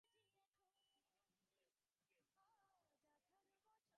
মাথা নিচু করে ছুঁচে সুতো পরাচ্ছিলেন।